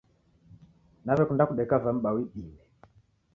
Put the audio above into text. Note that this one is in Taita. Nawekunda kudeka vambao idime